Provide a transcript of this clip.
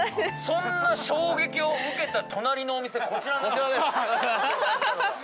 そんな衝撃を受けた隣のお店こちらなんです